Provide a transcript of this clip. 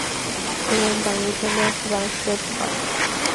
中文版由尖端出版社出版。